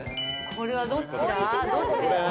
これは、どっちだ？